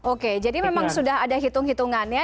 oke jadi memang sudah ada hitung hitungannya